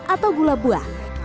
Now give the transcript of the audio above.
atau gula buah